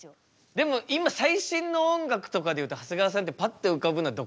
でも今最新の音楽とかでいうと長谷川さんってパッて浮かぶのはどこら辺が最新。